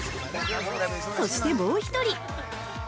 ◆そしてもう一人！